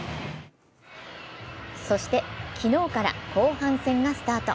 そして昨日から後半戦がスタート。